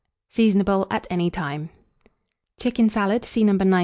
Seasonable at any time. CHICKEN SALAD. (See No.